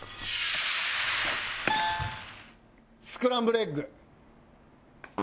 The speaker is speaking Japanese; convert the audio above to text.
スクランブルエッグ。